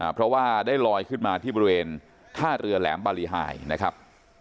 เพราะว่าได้ลอยขึ้นมาที่บริเวณท่าเรือแหลมบารีไฮนะครับ